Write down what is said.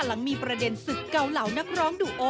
หลังมีประเด็นศึกเกาเหล่านักร้องดูโอ